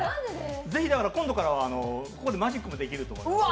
ぜひ今度からは、ここでマジックもできると思います。